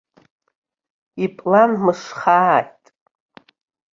Иплан мшхааит!